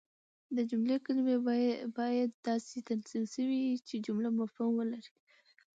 د جملې کلیمې باید داسي تنظیم سوي يي، چي جمله مفهوم ولري.